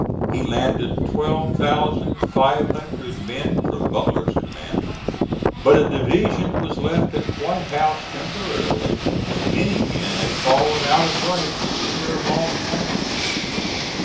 He landed twelve thousand five hundred men from Butler's command, but a division was left at White House temporarily and many men had fallen out of ranks in their long march.